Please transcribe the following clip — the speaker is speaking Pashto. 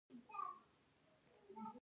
د لوژستیک شرکتونه څه کوي؟